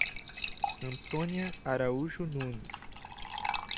Antônia Araújo Nunes